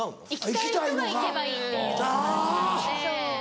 行きたい人が行けばいいっていう感じなので。